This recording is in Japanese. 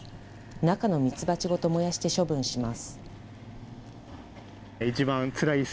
中のミツバチごと燃やして処分します。